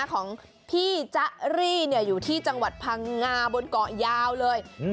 ของพี่จ๊ะรี่อยู่ที่จังหวัดพังงาบนเกาะยาวเลย